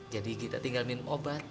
jadi gita tinggal minum obat